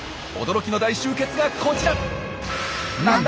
驚きの大集結がこちら！